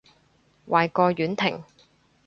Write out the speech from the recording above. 壞過婉婷